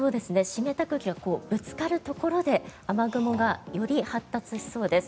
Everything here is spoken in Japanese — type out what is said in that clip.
湿った空気がぶつかるところで雨雲がより発達しそうです。